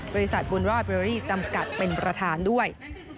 บริษัทบุญรอดเบอรี่จำกัดเป็นประธานด้วย